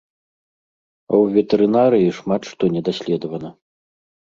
А ў ветэрынарыі шмат што не даследавана.